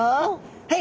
はい！